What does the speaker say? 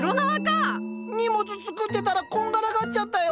荷物つくってたらこんがらがっちゃったよ。